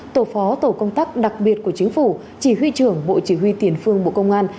tổ phó tổ công tác đặc biệt của chính phủ chỉ huy trưởng bộ chỉ huy tiền phương bộ công an